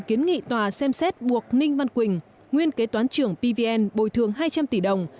kiến nghị tòa xem xét buộc ninh văn quỳnh nguyên kế toán trưởng pvn bồi thường hai trăm linh tỷ đồng